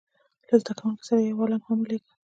له زده کوونکو سره یې یو عالم هم ولېږه.